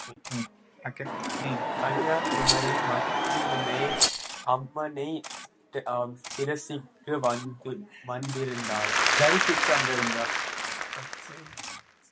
கன்யாகுமரி மட்டிலுமே அம்மனைத் தரிசிக்க வந்திருந்தாள்.